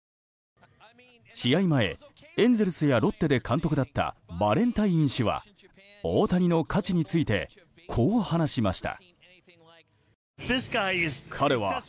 試合前、エンゼルスやロッテで監督だったバレンタイン氏は大谷の価値についてこう話しました。